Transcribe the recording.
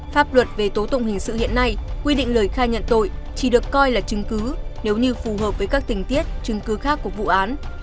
pháp luật về tố tụng hình sự hiện nay quy định lời khai nhận tội chỉ được coi là chứng cứ nếu như phù hợp với các tình tiết chứng cứ khác của vụ án